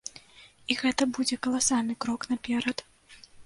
І гэта будзе каласальны крок наперад.